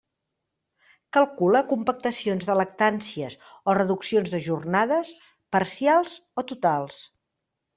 Calcula compactacions de lactàncies o reduccions de jornades, parcials o totals.